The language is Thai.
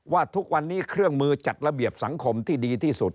ว่าทุกวันนี้เครื่องมือจัดระเบียบสังคมที่ดีที่สุด